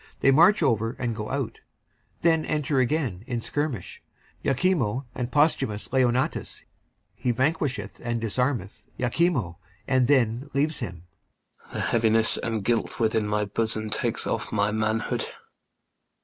They march over and go out. Alarums. Then enter again, in skirmish, IACHIMO and POSTHUMUS. He vanquisheth and disarmeth IACHIMO, and then leaves him IACHIMO. The heaviness and guilt within my bosom Takes off my manhood.